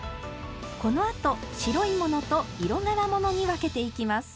このあと白い物と色柄物に分けていきます。